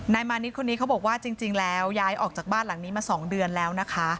มานิดคนนี้เขาบอกว่าจริงแล้วย้ายออกจากบ้านหลังนี้มา๒เดือนแล้วนะคะ